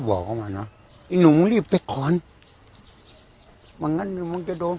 บอกโหไอหนูมึงออกไปถามปากถอยไปลุง